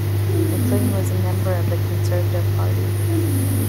McLean was a member of the Conservative Party.